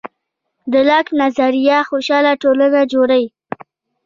د لاک نظریه خوشحاله ټولنه جوړوي.